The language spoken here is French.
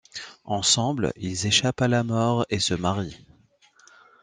Ensemble, ils échappent à la mort et se marient.